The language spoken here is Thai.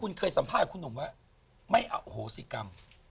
คุณเคยสัมภาษณ์คุณหนุ่มว่าไม่อโหสิกรรม